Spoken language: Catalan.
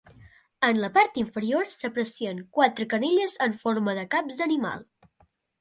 En la part inferior s'aprecien quatre canelles en forma de caps d'animal.